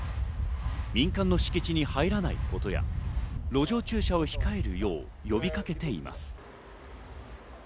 民家の敷地に入らないことや、路上駐車を控えるよう呼びかけています。